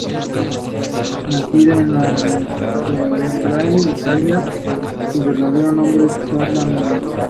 La imagen implica a un vaquero en la naturaleza con sólo un cigarrillo.